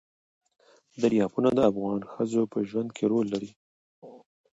دریابونه د افغان ښځو په ژوند کې رول لري.